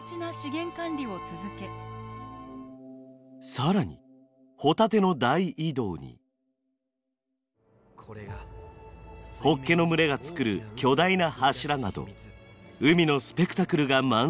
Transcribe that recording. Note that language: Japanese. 更にホタテの大移動にホッケの群れが作る巨大な柱など海のスペクタクルが満載です。